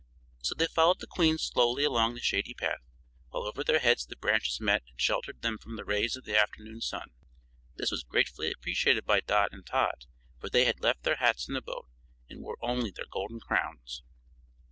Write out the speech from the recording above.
So they followed the Queen slowly along the shady path, while over their heads the branches met and sheltered them from the rays of the afternoon sun. This was gratefully appreciated by Dot and Tot, for they had left their hats in the boat and wore only their golden crowns.